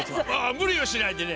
無理はしないでね。